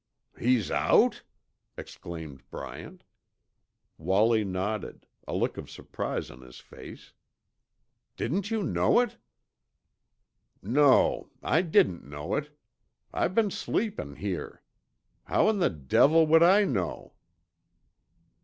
"He's out?" exclaimed Bryant. Wallie nodded, a look of surprise on his face. "Didn't you know it?" "No. I didn't know it. I been sleepin' here. How in the devil would I know?"